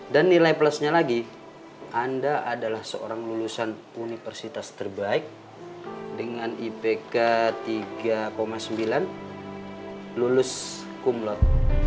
dan nilai plusnya lagi anda adalah seorang lulusan universitas terbaik dengan ipk tiga sembilan lulus kumlot